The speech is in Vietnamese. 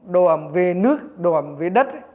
đồ ẩm về nước đồ ẩm về đất